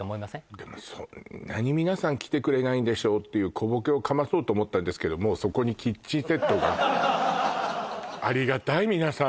でもそんなに皆さん来てくれないんでしょう？っていう小ボケをかまそうと思ったんですけどありがたい皆さん